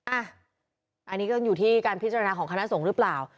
อันนี้ก็อยู่ที่การพิจารณาของคณะสงฆ์หรือเปล่า